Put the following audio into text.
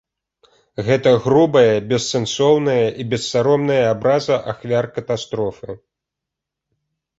Гэта грубая, бессэнсоўная і бессаромная абраза ахвяр катастрофы.